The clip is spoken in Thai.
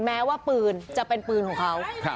แม้ว่าปืนจะเป็นปืนของเขา